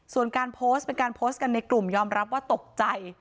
ส่วนการโพสต์เป็นการโพสต์กันในกลุ่มยอมรับว่าตกใจ